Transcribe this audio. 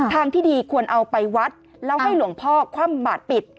ทางที่ดีควรเอาไปวัดแล้วให้หลวงพ่อคว่ำบาดปิด